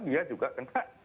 dia juga kena